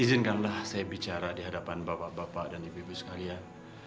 izinkanlah saya bicara di hadapan bapak bapak dan ibu ibu sekalian